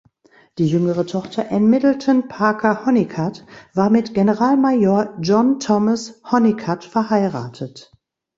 Die jüngere Tochter Ann Middleton Parker Honeycutt war mit Generalmajor John Thomas Honeycutt verheiratet.